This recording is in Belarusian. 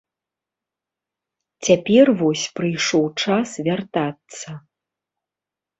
Цяпер вось прыйшоў час вяртацца.